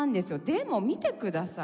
でも見てください